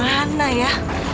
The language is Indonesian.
siliah kemana ya